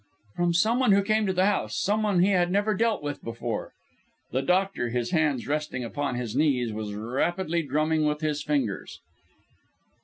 "From someone who came to the house someone he had never dealt with before." The doctor, his hands resting upon his knees, was rapidly drumming with his fingers.